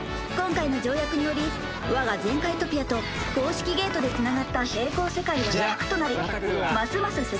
「今回の条約により我がゼンカイトピアと公式ゲートで繋がった並行世界は１００となりますます